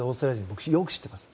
僕、よく知っています。